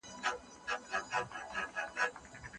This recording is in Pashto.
د واورې ورېدل د افغانستان د کرنې او زراعت لپاره ډېر حیاتي دي.